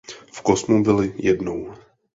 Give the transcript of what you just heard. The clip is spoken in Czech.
V kosmu byl jednou.